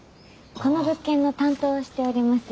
この物件の担当をしております